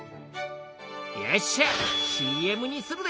よっしゃＣＭにするで！